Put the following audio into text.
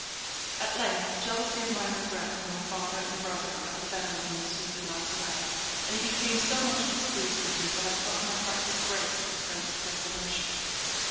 At length, jealousy of my regret for my father and brother got the better of M. de la Tourelle, and he became so much displeased with me that I thought my heart would break with the sense of desolation.